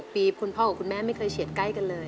ปีคุณพ่อกับคุณแม่ไม่เคยเฉียดใกล้กันเลย